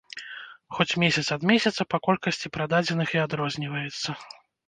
Хоць месяц ад месяца па колькасці прададзеных і адрозніваецца.